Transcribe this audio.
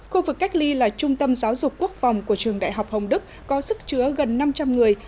khu vực cách ly là trung tâm giáo dục quốc phòng của trường đại học hồng đức có sức chứa gần năm trăm linh người